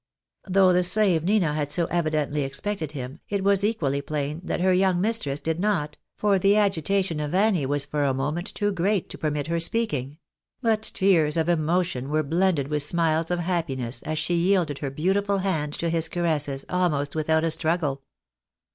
Though the slave Nina had so evidently expected him, it was equally plain that her young mistress did not, for the agitation of Annie was for a moment too great to permit her speaking ; but 340 THE BAKNABYS IN AMERICA. tears of emotion were blended witli smiles of happiness as she yielded her beautiful hand to his caresses, almost without a struggle.